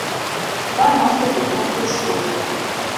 Namoso japuonj e skul